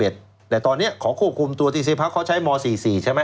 แต่ตอนนี้ขอควบคุมตัวที่เซพักเขาใช้ม๔๔ใช่ไหม